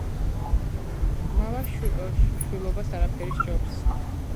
მამა შვილობას არაფერი სჯობს